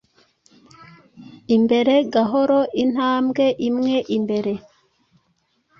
imbere gahoro intambwe imwe imbere